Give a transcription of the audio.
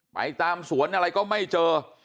ไปตามสวนอะไรก็ไม่เจอ